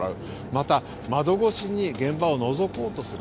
また、窓越しに現場をのぞこうとする。